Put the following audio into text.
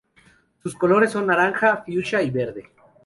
Sus colores son naranja, fucsia y verde.